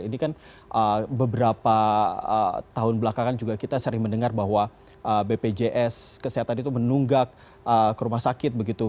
ini kan beberapa tahun belakangan juga kita sering mendengar bahwa bpjs kesehatan itu menunggak ke rumah sakit begitu